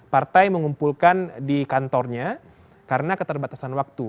partai mengumpulkan di kantornya karena keterbatasan waktu